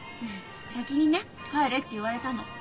先にね帰れって言われたの。